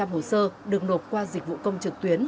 một trăm linh hồ sơ được nộp qua dịch vụ công trực tuyến